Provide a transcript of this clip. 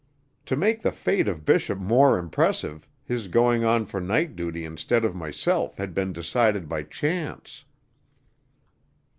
To make the fate of Bishop more impressive his going on for night duty instead of myself had been decided by chance."